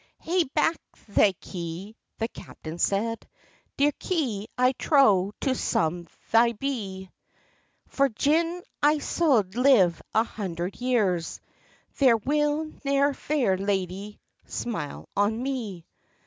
"Hae back thy kye!" the captain said; "Dear kye, I trow, to some they be! For gin I suld live a hundred years, There will ne'er fair lady smile on me."